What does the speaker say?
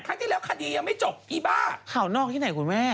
ครั้งที่แล้วคดียังไม่จบอีบ้าข่าวนอกที่ไหนคุณแม่